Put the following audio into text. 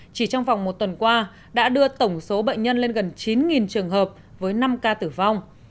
chỉ trong vòng một tuần qua đã đưa tổng số bệnh nhân lên gần chín trường hợp với năm ca tử vong